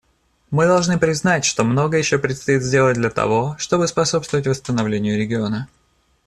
Мы должны признать, что многое еще предстоит сделать для того, чтобы способствовать восстановлению региона.